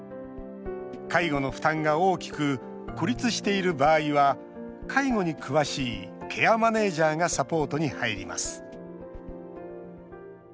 介護の負担が大きく孤立している場合は介護に詳しいケアマネージャーがサポートに入ります。